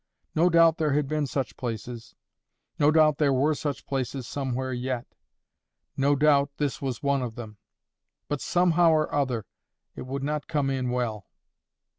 No doubt there had been such places. No doubt there were such places somewhere yet. No doubt this was one of them. But, somehow or other, it would not come in well.